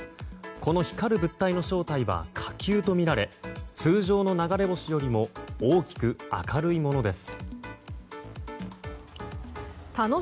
この光る物体の正体は火球とみられ通常の流れ星よりも大きく、明るいものです。